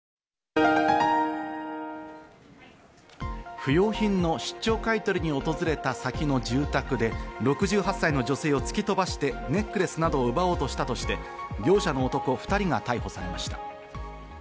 不用品の出張買取に訪れた先の住宅で、６８歳の女性を突き飛ばしてネックレスなどを奪おうとしたとして業者の男２人が逮捕されました。